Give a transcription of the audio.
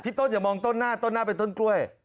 ต้นอย่ามองต้นหน้าต้นหน้าเป็นต้นกล้วย